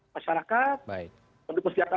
masyarakat pendukung siasatan